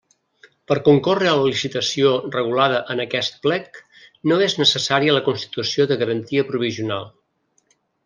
Per concórrer a la licitació regulada en aquest plec, no és necessària la constitució de garantia provisional.